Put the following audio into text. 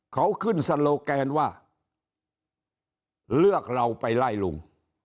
เขาขึ้นสโลแกนว่าเลือกเราไปไล่ลุง